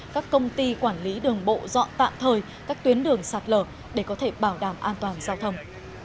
các công ty quản lý đường bộ dọn tạm thời các tuyến đường sạt lở để có thể bảo đảm an toàn giao thông